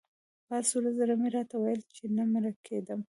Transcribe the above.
په هر صورت زړه مې راته ویل چې نه مړ کېدم.